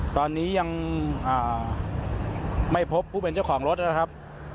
ตอนนี้ยังไม่พบผู้เป็นเจ้าของรถนะครับ